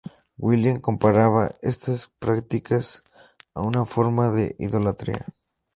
William comparaba estas prácticas a una forma de idolatría.